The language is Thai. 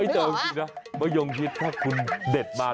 เจอนสินะมะยองชิดถ้าคุณเด็ดมา